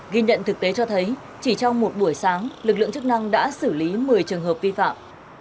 ghi nhận thực tế cho thấy chỉ trong một buổi sáng lực lượng chức năng đã xử lý một mươi trường hợp vi phạm